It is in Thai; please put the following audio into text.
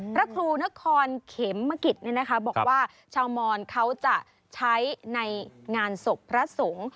พระครูนครเขมมะกิจบอกว่าชาวมอนเขาจะใช้ในงานศพพระสงฆ์